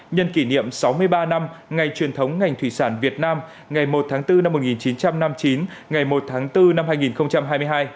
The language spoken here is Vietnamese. nhân kỷ niệm sáu mươi ba năm ngày truyền thống ngành thủy sản việt nam ngày một tháng bốn năm một nghìn chín trăm năm mươi chín ngày một tháng bốn năm hai nghìn hai mươi hai